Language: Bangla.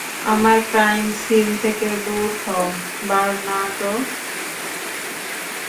আমার ক্রাইম সিন থেকে দূর হও, বার্নার্ডো।